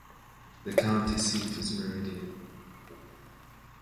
The county seat is Meridian.